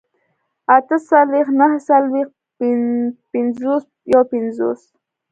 اتهڅلوېښت، نههڅلوېښت، پينځوس، يوپينځوس